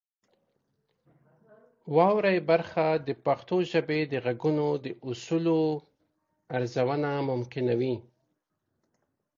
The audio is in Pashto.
واورئ برخه د پښتو ژبې د غږونو د اصولو ارزونه ممکنوي.